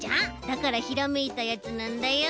だからひらめいたやつなんだよ。